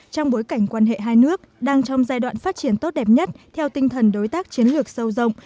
trong bối cảnh quan hệ hai nước đang trong giai đoạn phát triển tốt đẹp nhất theo tinh thần đối tác chiến lược sâu rộng